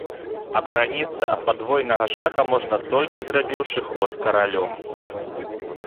Абараніцца ад падвойнага шаха можна толькі зрабіўшы ход каралём.